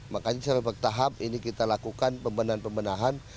makanya secara bertahap ini kita lakukan pembenahan pembenahan